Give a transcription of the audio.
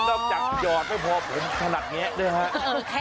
นอกจากหยอดไม่พอผมถนัดแบบนี้ด้วยค่ะ